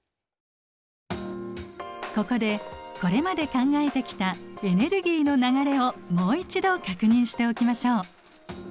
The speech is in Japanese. ここでこれまで考えてきたエネルギーの流れをもう一度確認しておきましょう。